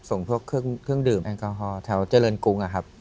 ส่งพวกเครื่องดื่มแอลกอฮอลแถวเจริญกรุงนะครับ